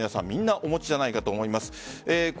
みんな、お持ちじゃないかと思います。